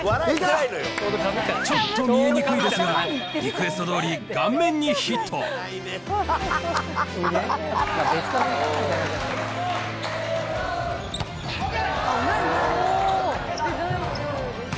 ちょっと見えにくいですが、リクエストどおり顔面にヒット。ＯＫ！